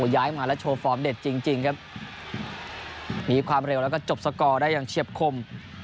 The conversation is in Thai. ย้ายมาแล้วโชว์ฟอร์มเด็ดจริงจริงครับหนีความเร็วแล้วก็จบสกอร์ได้อย่างเฉียบคม